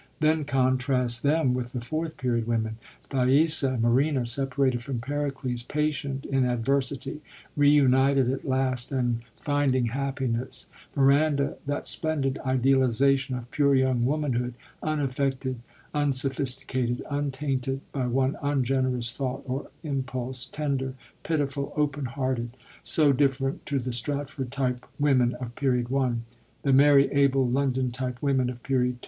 Then contrast them with the Fourth Period women : Thaisa and Marina separated from Pericles, patient in adversity, re united at last and finding happiness ; Miranda, that splendid idealisation of pure young womanhood, unaffected, unsophisticated, untainted by one ungenerous thought or impulse, tender, pitiful, open hearted, so different to the Stratford type women of Period I., the merry, able, London type women of Period II.